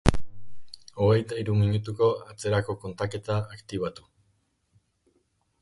Hogeita hiru minutuko atzerako kontaketa aktibatu.